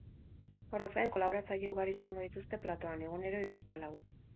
Horrez gain, kolaboratzaile ugari izango dituzte platoan, egunero hiruzpalau.